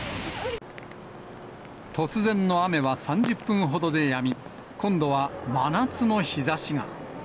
突然の雨は３０分ほどでやみ、今度は、真夏の日ざしが。